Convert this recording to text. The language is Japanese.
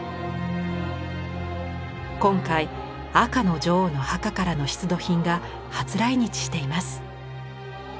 今回赤の女王の墓からの出土品が初来日しています。